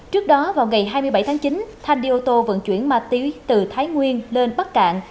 trước đó vào ngày hai mươi bảy tháng chín thanh đi ô tô vận chuyển ma túy từ thái nguyên lên bắc cạn